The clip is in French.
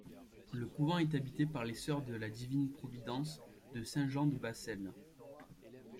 Le couvent est habité par les sœurs de la Divine Providence de Saint-Jean-de-Bassel.